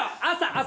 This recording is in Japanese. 朝。